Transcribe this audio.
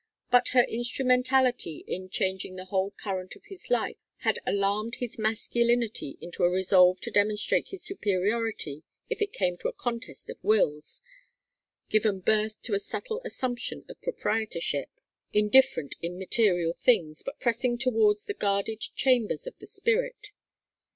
But her instrumentality in changing the whole current of his life had alarmed his masculinity into a resolve to demonstrate his superiority if it came to a contest of wills; given birth to a subtle assumption of proprietorship, indifferent in material things, but pressing towards the guarded chambers of the spirit.